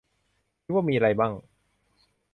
คิดว่ามีไรมั่ง ?